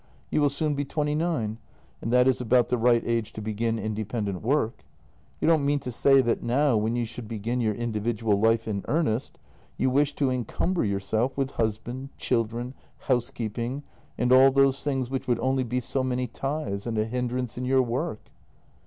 You will soon be twenty nine, and that is about the right age to begin independent work. You don't mean to say that now, when you should begin your in dividual life in earnest, you wish to encumber yourself wnth husband, children, housekeeping, and all those things which would only be so many ties and a hindrance in your work?